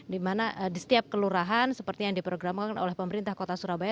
dimana di setiap kelurahan seperti yang diprogramkan oleh pemerintah kota surabaya